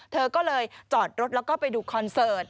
เธอก็เลยจอดรถแล้วก็ไปดูคอนเสิร์ต